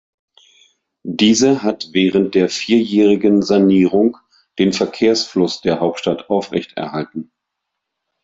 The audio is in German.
Diese hat während der vierjährigen Sanierung den Verkehrsfluss der Hauptstadt aufrechterhalten.